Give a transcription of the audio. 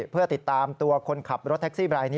เพื่อติดตามตัวคนขับรถแท็กซี่บรายนี้